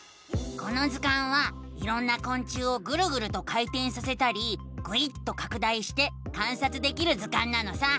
この図鑑はいろんなこん虫をぐるぐると回てんさせたりぐいっとかく大して観察できる図鑑なのさ！